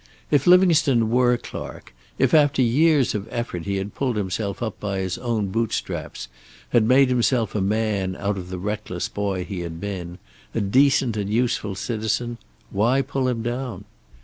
If Livingstone were Clark, if after years of effort he had pulled himself up by his own boot straps, had made himself a man out of the reckless boy he had been, a decent and useful citizen, why pull him down?